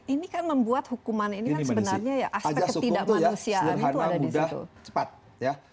ini kan membuat hukuman ini kan sebenarnya ya aspek ketidakmanusiaan itu ada di situ